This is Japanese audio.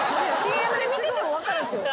ＣＭで見てても分かるんすよ。